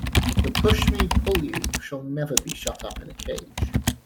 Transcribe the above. The pushmi-pullyu shall never be shut up in a cage.